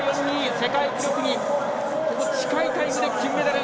世界記録に程近いタイムで金メダル。